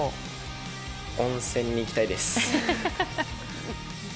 温泉に行きたいです。